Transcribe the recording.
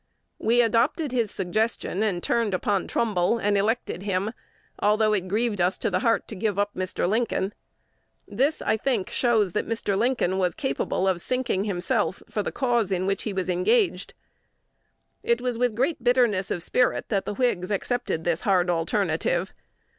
We adopted his suggestion, and turned upon Trumbull, and elected him, although it grieved us to the heart to give up Mr. Lincoln. This, I think, shows that Mr. Lincoln was capable of sinking himself for the cause in which he was engaged." It was with great bitterness of spirit that the Whigs accepted this hard alternative.